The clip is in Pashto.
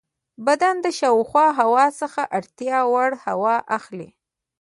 بدن د شاوخوا هوا څخه اړتیا وړ هوا اخلي.